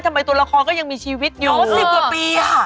ทำไมตัวละครก็ยังมีชีวิตอยู่อ๋อสิบกว่าปีอะ